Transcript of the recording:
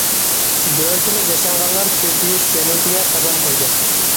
دۆلىتىمىز ياشانغانلار كۆپىيىش جەمئىيىتىگە قەدەم قويدى.